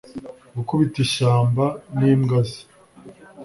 Gukubita ishyamba nimbwa ze